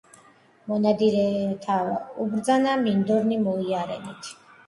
მონადირეთა უბრძანა მინდორნი მოიარენით